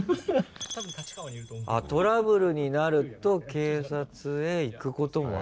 トラブルになると警察へ行くこともある。